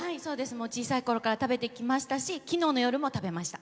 小さいころから食べてきましたし昨日の夜も食べました。